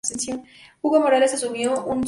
Hugo Morales asumió en su reemplazo.